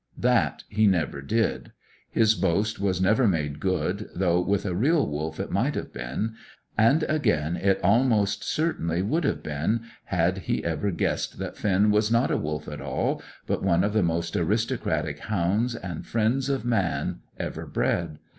That he never did. His boast was never made good, though with a real wolf it might have been; and again it almost certainly would have been, had he ever guessed that Finn was not a wolf at all, but one of the most aristocratic hounds and friends of man ever bred.